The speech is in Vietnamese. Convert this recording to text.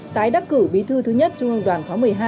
tái đắc cử bí thư thứ nhất trung ương đoàn khóa một mươi hai